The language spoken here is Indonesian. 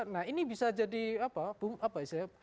nah ini bisa jadi apa apa isinya